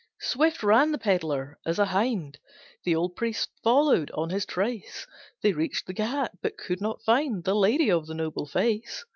Swift ran the pedlar as a hind, The old priest followed on his trace, They reached the Ghat but could not find The lady of the noble face.